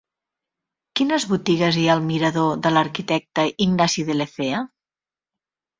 Quines botigues hi ha al mirador de l'Arquitecte Ignasi de Lecea?